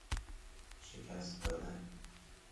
شکست دادن